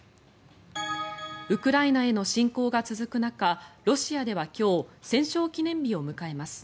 ウクライナへの侵攻が続く中ロシアでは今日戦勝記念日を迎えます。